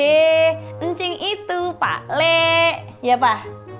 encing itu pak l ya pak